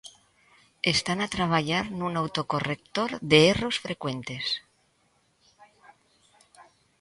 Están a traballar nun autocorrector de erros frecuentes.